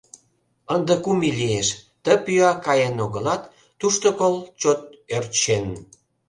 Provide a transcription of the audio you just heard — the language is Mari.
Ынде кум ий лиеш, ты пӱя каен огылат, тушто кол чот ӧрчен.